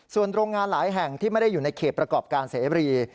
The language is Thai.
ส่วนโรงงานหลายแห่งที่ไม่ได้อยู่ในเขตประกอบการเสบรี